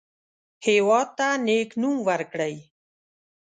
هېواد ته نیک نوم ورکړئ